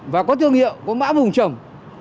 và có thương hiệu có mã vùng trồng